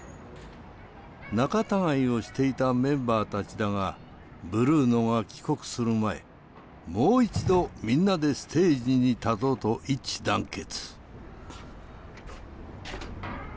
仲たがいをしていたメンバーたちだがブルーノが帰国する前もう一度みんなでステージに立とうと一致団結。